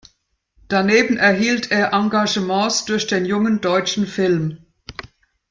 Daneben erhielt er Engagements durch den Jungen Deutschen Film.